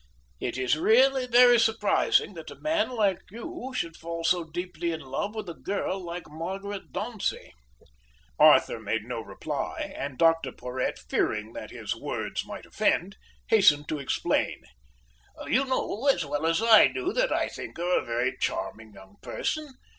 "It is really very surprising that a man like you should fall so deeply in love with a girl like Margaret Dauncey." Arthur made no reply, and Dr Porhoët, fearing that his words might offend, hastened to explain. "You know as well as I do that I think her a very charming young person.